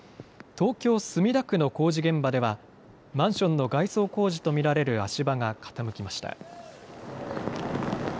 東京墨田区の工事現場ではマンションの外装工事と見られる足場が傾きました。